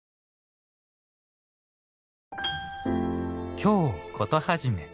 「京コトはじめ」